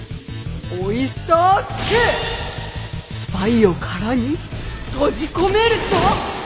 スパイを殻に閉じ込めるぞ！